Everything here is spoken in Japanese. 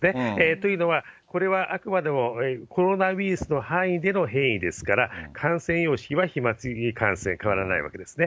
というのは、これはあくまでもコロナウイルスでの範囲での変異ですから、感染様式は飛まつ感染は変わらないわけですね。